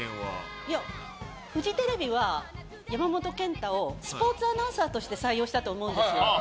フジテレビは山本賢太をスポーツアナウンサーとして採用したと思うんですよ。